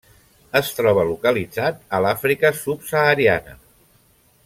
Es troba localitzat a l'Àfrica subsahariana.